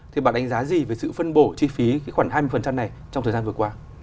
thì bạn đánh giá gì về sự phân bổ chi phí khoảng hai mươi này trong thời gian vừa qua